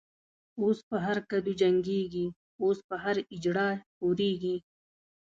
اوس په هر کدو جګيږی، اوس په هر” اجړا” خوريږی